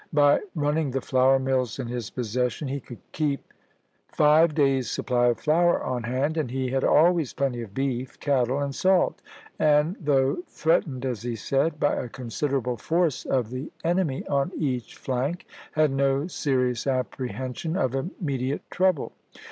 By running the flour mills in his possession he could keep five days' supply of flour on hand, and he had always plenty of beef cattle and salt; and though " threatened," as he said, " by a considerable force of the enemy on each flank, ... had no serious apprehension of immediate trouble."